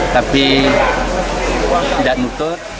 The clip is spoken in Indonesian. tapi tidak muter